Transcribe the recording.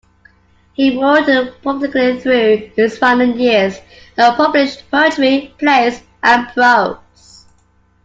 He wrote prolifically through his final years, and published poetry, plays, and prose.